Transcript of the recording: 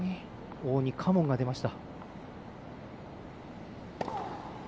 王にカモンが出ました。